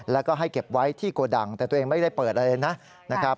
แล้วก็ให้เก็บไว้ที่โกดังแต่ตัวเองไม่ได้เปิดอะไรนะครับ